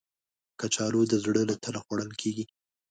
کچالو د زړه له تله خوړل کېږي